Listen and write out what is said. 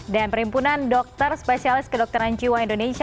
dan perimpunan dokter spesialis kedokteran jiwa indonesia